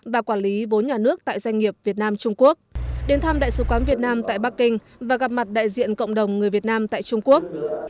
và quản lý vốn nhà nước tại doanh nghiệp việt nam trung quốc đến thăm đại sứ quán việt nam tại bắc kinh và gặp mặt đại diện cộng đồng người việt nam tại trung quốc